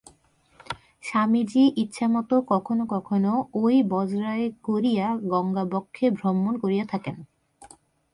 স্বামীজী ইচ্ছামত কখনও কখনও ঐ বজরায় করিয়া গঙ্গাবক্ষে ভ্রমণ করিয়া থাকেন।